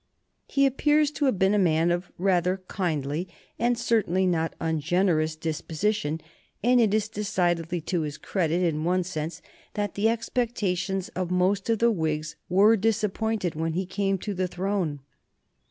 He appears to have been a man of rather kindly, and certainly not ungenerous, disposition, and it is decidedly to his credit, in one sense, that the expectations of most of the Whigs were disappointed when he came to the throne.